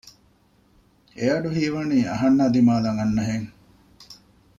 އެ އަޑު ހީވަނީ އަހަންނާއި ދިމާލަށް އަންނަހެން